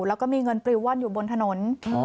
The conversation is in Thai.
แล้วก็มีเงินปริวว่อนอยู่บนถนน